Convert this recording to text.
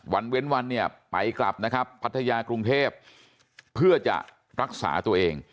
เว้นวันเนี่ยไปกลับนะครับพัทยากรุงเทพเพื่อจะรักษาตัวเอง